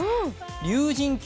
竜神峡